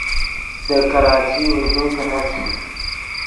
دے کراچی اردو کینت